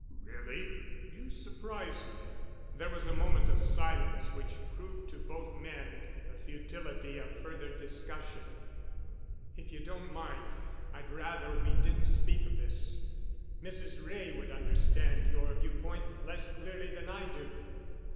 "Really? You surprise me." There was a moment of silence which proved to both men the futility of further discussion. "If you don't mind, I'd rather we didn't speak of this. Mrs. Wray would understand your viewpoint less clearly than I do.